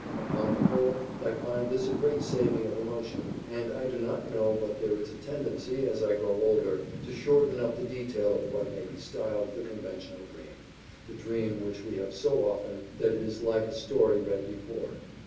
Upon the whole, I find this a great saving of emotion, and I do not know but there is a tendency, as I grow older, to shorten up the detail of what may be styled the conventional dream, the dream which we have so often that it is like a story read before.